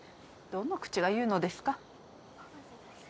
どの口が言うのですか？